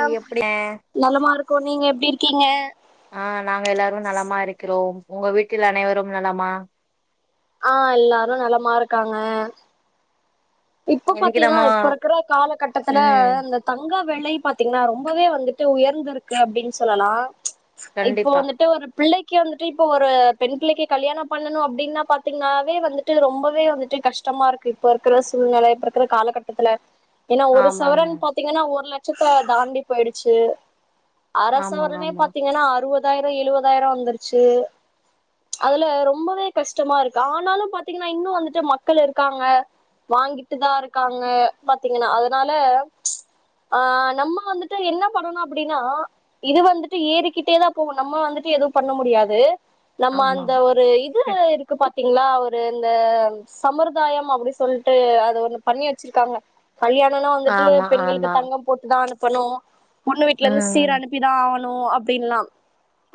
இது எப்டில நல்லமா இருக்கோ நீங்க எப்டி இருக்கீங்க அ நாங்க எல்லாரும் நலமா இருக்கிறோம் ஒங்க வீட்டில அனைவரும் நலமா ஆ எல்லாரும் நலமா இருக்காங்க இப்போ இன்னைக்கு பாத்தீன்னா நம்ம இப்ப இருக்கற காலகட்டத்துல ம் அந்த தங்க வெலை பாத்தீங்கன்னா ரொம்பவே வந்துட்டு உயர்ந்திருக்கு அப்டின் சொல்லலா இப்போ கண்டிப்பா வந்துட்டு ஒரு பிள்ளைக் கே வந்துட்டு இப்போ ஒரு பெண் பிள்ளைகே கல்யாணோ பண்ணணும் அப்படின்னா பாத்தீங்கன்னாவே வந்துட்டு ரொம்பவே வந்துட்டு கஷ்டமாருக் க்கு இப்ப இருக்கற சூழ்நெல இப்ப இருக்கற காலகட்டத்துல ஏன்னா ஒரு ஆமாங்க சவரன் பா பாத்தீங்கன்னா ஒரு லட்சத்த தாண்டி போயிடுச்சு அர ஆமா சவரனே ஆமா பாத்தீங்கன்னா அறுவ பதாயிரம் எழுவதாயிரம் வந்துருச்சு அதுல ரொம்பவே கஷ்டமாருக்கு ஆனாலு பாத்தீங்கன்னா இன்னு வந்துட்டு மக்கள் எடுக்காங்க வாங்கிட்டுதாருக்காங்க பாத்தீங்கன்னா அதனால ஆ நம்ம வந்துட்டு என்ன பண்ணணும் அப்படீன்னா இது வந்துட்டு ஏறிக்கிட்டேதா போகும் நம்ம வந்துட்டு எதுவு பண்ண முடியாது நம்ம ஆமா அந்த ஒரு இது இருக்கு பாத்தீங்களா ஒரு இந்த சம்முர்தாயம் அப்படி சொல் ட்டுஅது ஒண்ணு பண்ணி வச்சிருக்காங்க கல்யாணம்னா வந்துட்டு ஆமா பெண்களுக்கு ஆமா தங்கம் போட்டு தா அனுப்பணும் பொண்ணு வீட்லருந்து ம் சீரனுப் ணிதா ஆவணு அப்டின்லா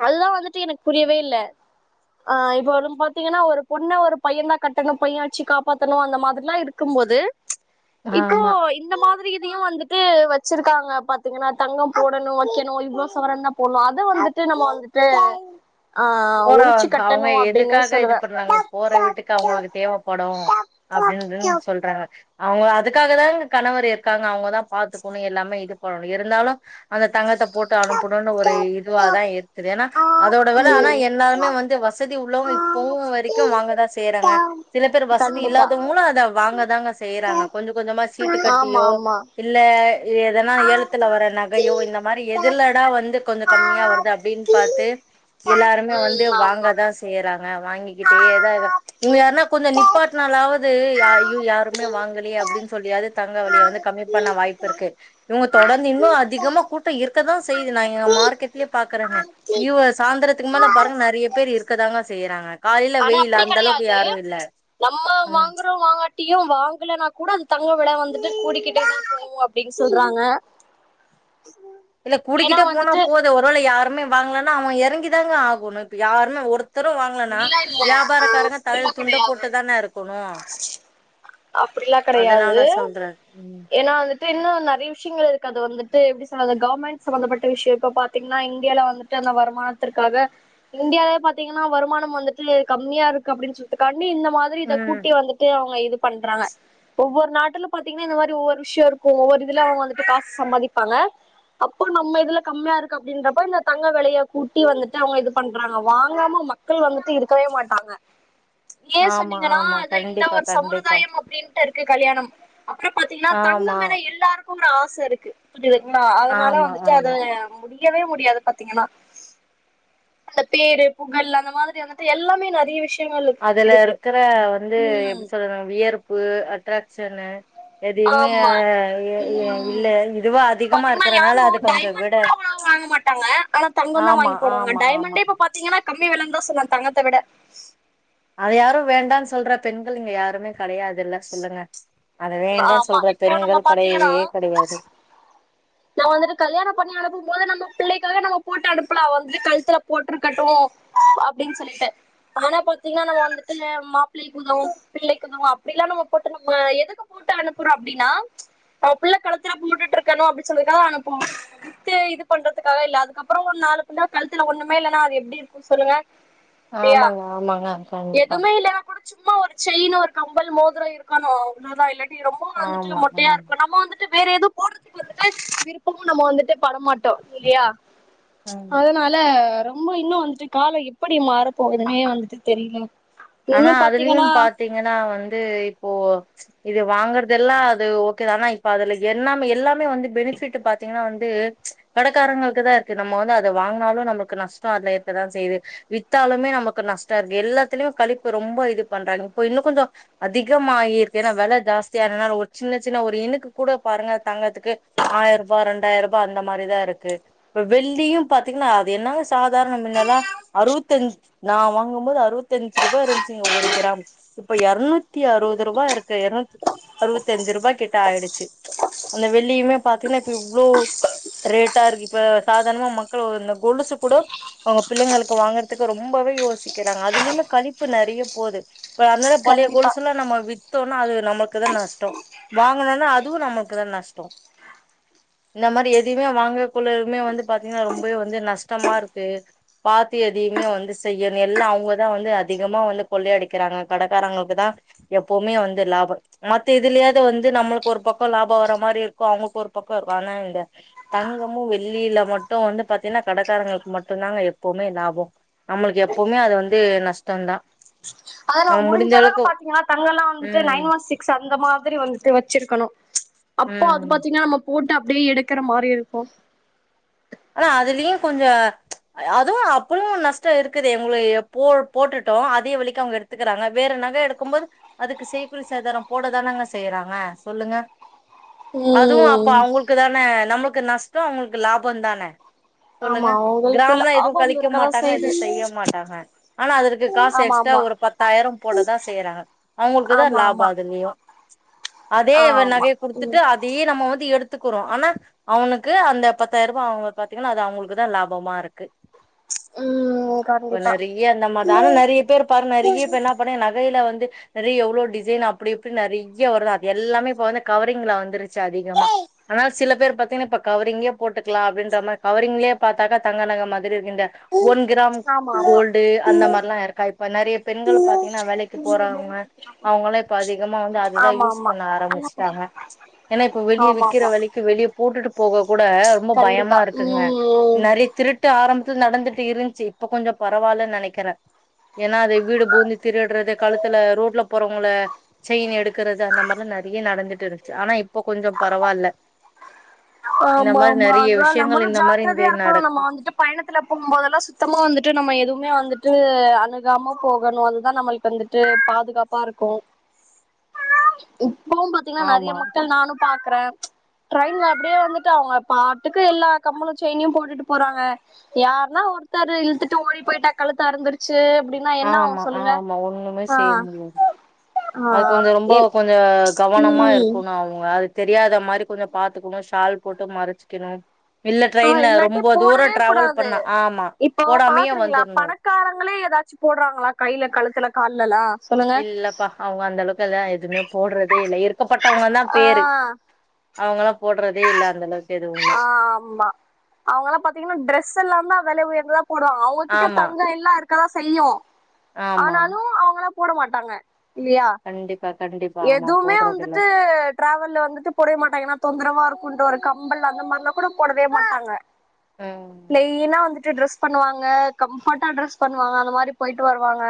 அதுதா வந்துட்டு எனக் புரியவே இல்ல ஆ இப்ப வந்து பாத்தீங்கனா ஒரு பொண்ண ஒரு பையந்தா கட்டணு பையன் வச்சு காப்பாத்தணு அந்த மாதிர் லா இருக்கும்போது இப்போ ஆமா இந்த மாதிரி இதையு வந்துட்டு வச்சிருக்காங்க பாத்தீங்கனா தங்கோ போடணு வைக்கணு இவ்ளோ சவரந்தா போனு அது வந்துட்டு நம்ம வந்துட்டு ஆ போற ஒழிச்சு கட்டணு அவ்ங்க அப்டின்னே எதுக்காக இது சொல்லுவே பண்றாங்க போற வீட்டுக்கு அவுங்களுக்கு தேவப்படு அப்டின்தா சொல்றாங்க அவுங்க அதுக்காகதா இவ்ங்க கணவர் இருக்காங்க அவ்ங்கதா பாத்துக்குணு எல்லாமே இது பண்ணணு இருந்தாலு அந்த தங்கத்த போட்டு அனுப்பணுனு ஒரு இதுவாதா இருக்குது ஏனா அதோட வெல ஆனா ம் எல்லாருமே வந்து வசதி உள்ளவ்ங்க இப்பவு வரைக்கு வாங்கதா செய்றாங்க சில பேர் வசதி கண்டிப்பா இல்லாதவ்ங்குளு அத வாங்கதாங்க செய்றாங்க கொஞ்ச கொஞ்சமா சீட்டு ஆமா கட்டியோ ஆமா இல்ல எதனா ஏழத்துல வர நகையோ இந்த மாரி எதுலடா வந்து கொஞ்சோ கம்மியா வருதோ அது அப்டின் பாத்து எல்லாருமே ம் வந்து ஆமா வாங்கதா செய்றாங்க வாங்கிக்கிட்டேதா இரா இவ்ங்க யார்னா கொஞ்சோ நிப்பாட்னாலாவது யா ஐயோ யாருமே வாங்கலயே அப்டின் சொல்லியாது தங்க லெலய வந்து கம்மி பண்ண வாய் ப்பிருக்கு இவ்ங்க தொடர்ந்து இன்னு அதிகமா கூட்டோ இருக்கதா செய்து நான் இங்க மார்க்கெட்லே பாக்குறனே இவ்ங்க சாந்திரத் துக்கு மேல பாருங்க நெறைய பேர் இருக்கதாங்க செய்றாங்க காலேல ஆனா வெயில் அப்டி அந்த அளவுக்கு கெடையாது யாரு இல்ல நம்ம ம் வாங்குறோ வாங்காட் டியு வாங்குலனா கூட அந் தங்கோ வெல வந்துட்டு கூடிக்கிட்டேதா போகு அப்டின் சொல்றாங்க இல்ல ஏன்னா கூடிக்கிட்டே போனா வந்துட்டு போது ஒருவேள யாருமே வாங்லனா அவ்ங்க எறங்கி தாங்க ஆகுணு இப்ப யார்னா ஒரு த்தரு வாங்லனா வியாபாரக்காரங்க தலைல துண்ட போட்டுதான இருக்குணு அப்டிலா அதனால சொல்ற ம் த்து இன்னு நெறைய விஷ்யங்கள் இருக்கு அது வந்துட்டு எப்டி சொல்றது கவ்ர்மெண்ட் சமந்தப்பட்ட விஷ்யோ இப்ப பாத்தீங்னா இந்தியால வந்துட் டு அந்த வருமானத்திற்காக இந்தியாவே பாத்தீங்ன் னா வருமானம் வந்துட்டு கம்மியா இருக்கு அப்டின் சொல்ற்துக்காண்டி இந்த மாதிரி இத ம் கூட்டி வந்துட்டு அவ்ங்க இது பண்றாங்க ஒவ்வொரு நாட்டுல பாத்தீங்னா இந்த மாரி ஒவ்வொரு விஷ்யோ இருக்கு ஒவ்வொரு இதுல அவ்ங்க வந்துட்டு காஸ் சம்பாதிப்பாங்க அப்போ நம்ம இதுல கம்மியா இருக்கு அப்டின்றப்ப இந்த தங்க வெலைய கூட்டி வந்துட்டு அவ்ங்க இது பண்றாங்க வாங்காம ம க்கள் வந்துட்டு இருக்கவே மாட்டாங்க ஏன் ஆமா சொன்னீங்கனா ஆமா அதா இந்த கண்டிப்பா ஒரு கண்டிப்பா சம்முருதாயம் அப்டின் ட்டு இருக்கு கல்யாணம் அப்புறம் பாத்தீங்னா ஆமா தங்கம் மேல எல்லாருக்குந்தா ஆச இருக்கு புதிதுங்ளா அதனால ஆமா வந்துட்டு அது ஆமா முடியவே முடியாது பாத்தீங்கனா அந்த பேரு புகழ் அந்த மாதிரி வந்துட்டு எல்லாமே நெறைய விஷ் அதுல இருக்குற வந்து எப்டி ம் சொல்லனு வியர்ப்பு அட்ராக்ஷன்னு எதையுமே ஆமா ம் இல்ல இதுவு அதிகமா பாத்தீங்கன்னா இருக்கறனால அது கொஞ்சோ விட டாங்க ஆனா தங்கோந்தா ஆமா வாங்கி போடுவாங்க ஆமா ஆமா டைமண்டே இப்ப பாத்தீங்கனா கம்மி வெலந்தான் சொல்லா தங்கத்த விட அது யாரு வேண்டான் சொல்ற பெண்கள் இங்க யாருமே கெடையாதுல்ல சொல்லுங்க அத வேண்டா ஆமா சொல்ற இப்போ நம்ம பெண்கள் கெடையவே பாத்தீங்கன்னா கெடையாது நம்ம வந்துட்டு கல்யாணம் பண்ணி அனுப்பும் போது நம்ம பிள்ளைக்காக நம்ம போட்டு அனுப்புலா வந்துட்டு கழுத்துல போட்ருக்கட்டு அப்டின் சொல்லிட்டு ஆனா பாத்தீங்னா நம்ம வந்துட்டு மாப்பிள்ளைக்கு உதவு பிள்ளைக்குதவு அப்டிலா நம்ம போட்டு நம்ம எதுக்கு போட்டு அனுப்புறோ அப்டினா நம்ம பிள்ள கழுத்துல போட்டுட்ருக்கணு அப்டி சொல்லிதா அனுப்பும் வித்து இது பண்றதுக்காக இல்ல அதுக்கப்புறோ ஒரு நாளக்குந்தா கழுத்துல ஒன்னுமே இல்லனா அது எப்டி இருக் கு சொல்லுங்க இல்லையா ஆமாங்க ஆமாங்க கண்டிப்பா எதுமே இல்ல கூட சும்மா ஒரு செயினு ஒரு கம்பல் மோதுரோ இருக்கணு அவ்ளதா இல்ல ரொம்ப வந்துட்டு ஆமா மொட்டையா ஆமா இருக்கு நம்ம வந்துட்டு வேற ஏதுவு போடுறதுக்கு வந்து விருப்பமு நம்ம வந்துட்டு படமாட்டோ இல்லையா ம் அதனால ரொம்ப இன்னு வந்துட்டு கால எப்டி மாறப்போகுதுனே வந்துட்டு தெரியல இன்னு பாத்தீங்கன்னா ஏன்னா வந்து இப்போ இது வாங்கறத எல்லா அது ஓகேதானா இப்ப அதுல எல்லாம எல்லாமே வந்து பெனிஃபிட் பாத்தீங்கன்னா வந்து கடைக்காரங்களுக்கு தா இருக்கு நம்ம வந்து அத வாங்குனாலு நம்மளுக்கு நஷ்டம் அதுல இருக்கதா செய்யுது வித்தாலுமே நமக்கு நஷ்ட இருக்கு எல்லாத்துலயு கழிப்பு ரொம்ப இது பண்றாங்க இப்ப இன்னு கொஞ்சோ அதிகமாகிருக்கு ஏன்னா வெல ஜாஸ்திய இருனால ஒரு சின்ன சின்ன ஒரு இனுக்கு கூட பாருங்க தங்கதுக்கு ஆயிர ரூபா ரெண்டாயிர ரூபா அந்த மாரிதா இருக்கு இப்ப வெள்ளியு பாத்தீங்கன்னா அது என்னங்க சாதாரண மின்னல்லா அறுவத்தஞ்சு நா வாங்கு போது அறுவத்திஞ்சு அஞ்சு ரூபா இருந்துச்சிங்க ஒரு கிராம் இப்ப எரநூத்தி அறுபது ரூபாய் இருக்கு எரநூத்தி அறுவத்தி அஞ்சு ரூபா கிட்ட ஆயிடுச்சு அந்த வெள்ளியுமே பாத்தீங்கன்னா இப்ப இவ்ளோ ரேட்டாருக்கு இப்ப சாதாரணமா மக்கள் ஒரு கொலுசு கூட அவங்க பிள்ளைங்களுக்கு வாங்குறதுக்கு ரொம்பவே யோசிக்கிறாங்க அதுலயுமே கழிப்பு நெறைய போகுது இப்ப அதனால பழைய கண்டிப்பா கொலுச எல்லாம் நம்ம வித் வித்தோனா அது நமக்கு தா நஷ்டோ வாங்கணும்னா அதுவு நமக்கு தா நஷ்டோ இந்த மாரி எதுவுமே வாங்கக்குள்ளதுமே வந்து பாத்தீங்கன்னா ரொம்பவே வந்து நஷ்டமா இருக்கு பாத்து எதையுமே வந்து செய்யணு எல்லா அவங்கதா வந்து அதிகமா வந்து கொள்ளை அடிக்கிறாங்க கடைக்காரங்களுக்கு தா எப்பவுமே வந்து லாபம் மத்த இதுலயாவது வந்து நம்மளுக்கு ஒரு பக்கோ லாப வர்ற மாரி இருக்கு அவங்களுக்கு ஒரு பக்கோ இருக்கு அதனான் இந்த தங்கமு வெள்ளியில மட்டு வந்து பாத்தீங்கன்னா கடைக்காரங்களுக்கு மட்டு தாங்க எப்பவுமே லாபோ நம்மளுக்கு எப்பவுமே அது வந்து நஷ்டம்தான் அதலா முடிஞ்ச அளவுக்கு பாத்தீங்கன்னா தங்கல்லா வந்துட்டு நைன் ம் ஒன் சிக்ஸ் அந்த மாதிரி வந்துட்டு வச்சிருக்கணு அப்போ அது ம் பாத்தீங்கன்னா நம்ம போட்டு அப்டியே எடுக்கிற மாரி இருக்கு ஆனா அதுலயு கொஞ்ச அதுவு அப்பளு நஷ்ட இருக்குது எங்கள போ போட்டுட்டோ அதே வெலைக்கு அவங்க இருக்கு எடுத்துகறாங்க வேற நகை எடுக்கு போது அதுக்கு செய் கூலி சேதார போடதானங்க செய்றாங்க சொல்லுங்க அதுவு அப்ப ம் அவங்களுக்கு தான நம்மளுக்கு நஷ்டோ அவங்களுக்கு லாப தான ஆமா சொல்லுங்க உங்களுக்குள்ள கிராம்லா எதுவு ஆபம் கழிக்க இருக்கதா மாட்டாங்க செய்யுது எதுவு செய்ய மாட்டாங்க ஆனா அதற்கு காசு ஆமா எக்ஸ்ட்ரா ஆமா ஒரு பத்து பத்தாயிரோ போடதா செய்றாங்க அவங்களுக்குதா ஆமா லாப ஆமா அதுலயு அதே ஆமா நகைய குடுத்துட்டு அதையே நம்ம வந்து எடுத்து கத்துக்குறோ ஆனா அவனுக்கு அந்த பத்தாயிர ரூபா அவங்க பாத்தீங்கன்னா அது அவங்களுக்குதா லாபமா இருக்கு ம் இப்ப கண்டிப்பா நெறைய அந்த மாரிதா ஆனா நெறைய பேர் பாரு நெறைய பேர் என்ன பண்ணங்க நகையில வந்து நெறைய எவ்ளவு டிசைன் அப்டி அப்டி நெறைய வரும்து அது எல்லாமே இப்ப வந்து கவரிங்ல வந்துருச்சு [unintelligible] அதிகமா ஆனா சில பேர் பாத்தீங்கன்னா இப்ப கவரிங்கே போட்டுக்கலா அப்டின்ற மாரி கவரிங்லயே பாத்தாங்க தங்கநக மாரி இருக்கு இந்த ஒன் கிராம் ஆமா கோல்டு அந்த மாரிலா இருக்கா இப்ப நெறைய பெண்கள் பாத்தீங்கன்னா வேலைக்கு போறாவங்க அவங்களா இப்ப அதிகமா வந்து அதுதா ஆமா யூஸ் ஆமா பண்ண ஆமா ஆரம்பிச்சுட்டாங்க ஏன்னா இப்ப வெளிய ஆமா விக்கிற ஆமா விக்கு வெளியே போட்டுட்டு போக கூட ரொம்ப கண்டிப்பா பயமா இருக்குங்க ம் நெறை இப்ப திருட்டு ஆரம்பத்து நடந்துட்டு இருந்துச்சு இப்ப கொஞ்ச பரவாயில்லன்னு நெனைக்கிறே ஏன்னா அத வீடு பூந்து திருடுறது கழுத்துல ரோட்ல போறவங்கள செயின் எடுக்குறது அந்த மாரிலா நறைய நடந்துட்டு இருன்ச்சு ஆனா இப்ப கொஞ்ஜோ பரவால்ல இந்த ஆமா மாரி ஆமா நெறைய அதா நம்மளு விஷயங்கள் இந்த மாரி இந்த ஜாக்கிரதையா இருக்கணு நம்ம நடக்கு வந்துட்டு பயணத்துல போம்போதெல்லா சுத்தமா வந்துட்டு நம்ம எதுவுமே வந்துட்டு அணுகாம போகணு அதுதான் நம்ளுக்கு வந்துட்டு பாதுகாப்பா இருக்கும் இப்பவும் பாத் இன்னு நறைய ஆமா மக்கள் நானு பாக்றேன ட்ரெயின்ல அப்டியே வந்துட்டு அவங்க பாட்டுக்கு எல்லா கம்பள செய்னியும் போட்டுட்டு போறாங்க யாருன்னா ஒருத்தரு இழுத்துட்டு ஓடி போயிட்டு கழுத்தருந்து ச்சு அப்டின்னா என்ன ஆமா ஆகு சொல்லுங்க ஆமா ஒண்ணுமே ஆ செய்ய முடியாது ஆ அது கொஞ்சம் எ ரொம்ப கொஞ்ச கவனமா ம் இருக்குனு நாவ் அது தெரியாத மாரி கொஞ்ச பாத்துக்கணு ஷால் போட்டு மறச்சிக்கணும் இல்ல ஆ ட்ரெயின்ல இல்லாட்டி ரொம்ப தூரோ போடவே ட்ராவல் கூடாது பண்ணா ஆமா போடாமயே வந்துரணு உக்காரங்களே ஏதாச்சும் போடுறாங்களா கையில கழுத்துல கால்லலா சொல்லுங்க இல்லப்பா அவுங்க அந்த அளவுக்கு எல்லா எதுவுமே போடுறதே இல்ல இருக்கப்பட்டவங்க தான் ஆ பேரு அவுங்கல்லா போடுறதே இல்ல அந்த அளவுக்கு எதுவுமே ஆமா அவங்கலாம் பாத்தீங்கன்னா ட்ரெஸ் எல்லாமே தான் வேலை உயர்ந்ததா போடுவாங்க அவங்ககிட்ட ஆமா தங்கம் எல்லா இருக் கா செய்யும் ஆமா ஆனாலும் அவுங்களாம் போட மாட்டாங்க இல்லயா கண்டிப்பா கண்டிப்பா ஆமா எதுவுமே போடுறதில்ல வந்துட்டு டிராவல்ல வந்துட்டு போடவே மாட்டாங்க ஏன்னா தொந்தரவா இருக்குன்ட்டு ஒரு கம்பல் அந்த மாரிலா கூட போடவே மாட்டாங்க ம் ப்ளைனா வந்துட் இது ட்ரெஸ் பண்ணுவாங்க கம்ஃபர்டா டிரரெஸ் பண்ணுவாங்க அந்த மாரி போயிட்டு வருவாங்க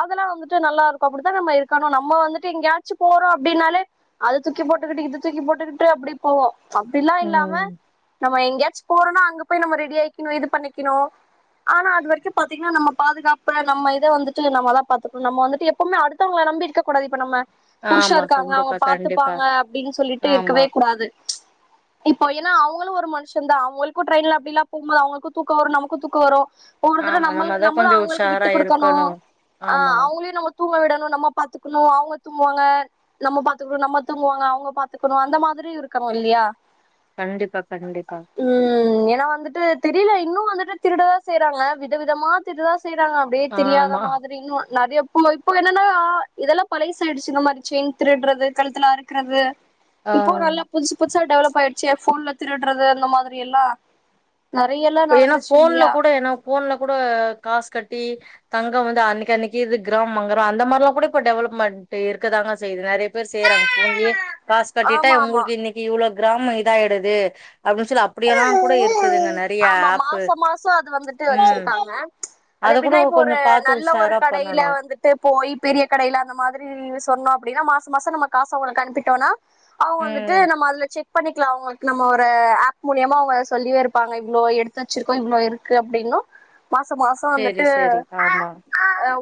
அதெல்லா வந்துட்டு நல்லா இருக்கும் அப்டித்தான் நம்ம இருக்கணு நம்ம வந்துட்டு எங்கயாச்சு போற அப்டின்னாலே அது தூக்கி போட்டுக்கிட்டு இது தூக்கி போட்டுக்கிட்டு அப்டி போவோம் அப்டிலா இல்லாம ம் நம்ம எங்கயாச்சும் போறோனா அங்க போய் நம்ம ரெடி ஆயிக்கணு இது பண்ணிக்கணு ஆனா அது வரைக்கும் பாத்தீங்கன்னா நம்ம பாதுகப்ப நம்ம இத வந்துட்டு நம்மதான் பாத்துக்கனோ நம்ப வந்துட்டு எப்பவுமே அடுத்த நம்பிக் இருக்ககூடாது இப்ப நம்ம புருஷன் ஆமா இருக்காங்க அவுங்க கண்டிப்பா கண்டிப்பா பாத்துப்பாங்க அப்டின்னு சொல்லிட்டு ஆமா இருக்கவே கூடாது இப்போ ஏன்னா அவுங்களும் ஒரு மனுஷன்தான் அவுங்களுக்கும் ட்ரெய்ன்ல அப்டிலா போமோது அவுங்களுக்கு தூக்கோம் வரும் நமக்கும் தூக்கவரும் ஒரு தட ஆமா நம்ம அதா நம்மளும் கொஞ்சோ அவுங்களுக்கு விட்டு உஷாரா குடுக்கணும இருக்கணு ஆ ஆமா அவுங்களயும் நம்ம தூங்க விடணும் நம்ம பாத்துக்கணும் அவுங்க தூங்குவாங்க நம்ம பாத்துக்கணும் நம்ம தூங்குவாங்க அவுங்க பாத்துக்கணும் அந்த மாதிரி இருக்கனும் இல்லையா கண்டிப்பா கண்டிப்பா ம் ஏன்னா வந்துட்டு தெரில இன்னும் வந்துட்டு திருடதான் செய்றாங்க விதவிதமா திருடதா செய்றாங்க அப்டியே தெரியாத ஆமா மாதிரின்னும் நறைய இப்ப இப்போ என்னன்னா இதெல்லாம் பழைசா ஆயிடுச்சுங்க மாரி செயின் திருடுறது கழுத்துல அறுக்குறது ஆ இப்போ நல்லா புதுசு புதுசா டெவலப் ஆயிடுச்சு போன்ல திருடுறது அந்த மாதிரி எல்லாம் நறைய எல்லாம் இப்ப ஏன்னா நடந்துச்சு ஃபோன்ல இல்லியா கூட ஏன்னா ஃபோன்ல கூட காசு கட்டி தங்கம் வந்து அன்னைக்கு அன்னைக்கு இது கிராம் வாங்ரோம் அந்த மாரிலாம் கூட இப்போ டெவலப்மெண்ட் இருக்கதாங்க செய்து நறைய பேர் செய்றாங்க ஓங்கே காசு கட்டிட்டா ஆமா ஆமா இவுங்களுக்கு இன்னைக் இவ்ளோ கிராம் இதாயிடுது அப்டின்னு சொல்லி அப்டியெல்லாம் கூட இருக்குது இங்க நறய ஆமா மாசோ மாசோம் அது வந்துட்டு ம் வச்சிருக்காங்க அது அத கூட எப்டின்னா இப்போ ஒரு கொஞ்சோ பாத்து நல்ல ஒரு உஷாரா கடையில பண்ணணு வந்துட் ட்டு போய் பெரிய கடையில அந்த மாதிரி சொன்னோம் அப்டின்னா மாசம் மாசம் நம்ப காச அவுங்களுக்கு அனுப்பிட்டோனா அனுப்பிட்டோம்னா அவுங்க வந்துட்டு ம் நம்ம அதுல செக் பண்ணிக்கலாம் அவுங்களுக்கு நம்ம ஒரு ஆப் மூலியமா அவங்க சொல்லியே இருப்பாங்க இவ்ளோ எடுத்து வச்சிருக்கோ இவ்ளோ இருக்குன்னு அப்படின்னு மாசொ மாசொ சேரி வந்துட்டு சேரி ஆமா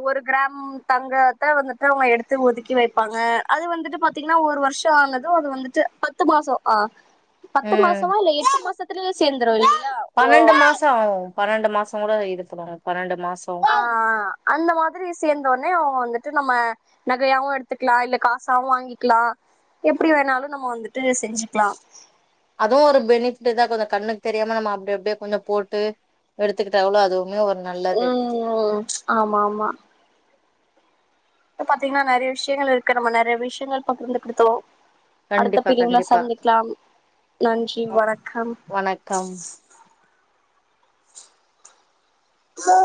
ஒரு கிராம் தங்கத்தை வந்துட்டு அவங்க எடுத்து ஒதுக்கி வைப்பாங்க அது வந்துட்டு பாத்தீங்கன்னா ஒரு வருஷோ ஆனதும் அது வந்துட்டு பத்து மாசொ ஆ பத்து ம் மாசமா இல்ல எட்டு மாசத்துலயே சேர்ந்துரூ இல்லிங்களா பன்னெண்டு மாசொ ஆவூ பன்னெண்டு மாசொ கூட இருக்கிறாங்க பன்னெண்டு மாசொ ஆ அந்த மாதிரி சேர்ந்தோட்னே அவங்க வந்துட்டு நம்ம நகையாவூ எடுத்துக்கலா இல்ல காசாவூ வாங்கிக்கலா எப்படி வேணாலூ நம்ம வந்துட்டு செஞ்சுக்கலா அதுவூ ஒரு பெனிஃபிட்தா கொஞ்சொ கண்ணுக்கு தெரியாம நம்ம அப்டி அப்படியே கொஞ்சொ போட்டு எடுத்துக்கிட்டாவ்வுல அதுவுமே வரூம் ம் ஆமா ஆமா இப்ப பாத்தீங்கன்னா நெறய விஷயங்கள் இருக்கு நம்ம நெறய விஷயங்கள் பகிர்ந்துகிட்டோ அடுத்த கண்டிப்பா பீடிங்ல கண்டிப்பா சந்திக்கலாம் நன்றி வணக்கம் வணக்கம் ஸ்சோ